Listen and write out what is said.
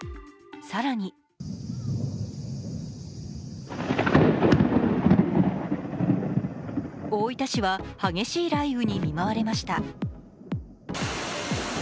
更に大分市は激しい雷雨に見舞われました。